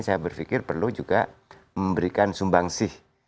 saya berpikir perlu juga memberikan sumbangsih